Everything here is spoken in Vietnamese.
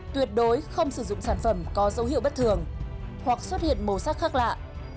tuyệt đối không sử dụng sản phẩm có dấu hiệu bất thường hoặc xuất hiện màu sắc khác lạ